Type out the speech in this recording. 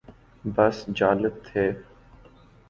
بس جالب تھے